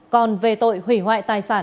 còn về tội hủy hoại tài sản